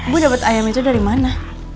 bu dapat ayam itu dari mana